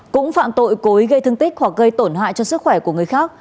cũng phạm tội cố ý gây thương tích hoặc gây tổn hại cho sức khỏe của người khác